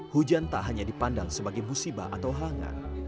hujan tak hanya dipandang sebagai musibah atau hangat